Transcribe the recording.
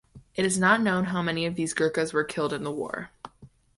It is not known how many of these Gurkhas were killed in the war.